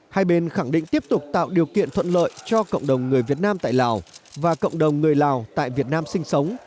hai bên khẳng định tiếp tục tạo điều kiện thuận lợi cho cộng đồng người việt nam tại lào và cộng đồng người lào tại việt nam sinh sống